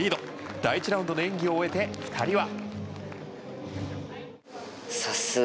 第１ラウンドで演技を終えて２人は。